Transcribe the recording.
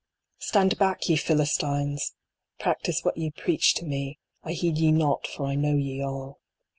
II. Stand back, ye Philistines ! Practice what ye preach to me ; I heed ye not, for I know ye all.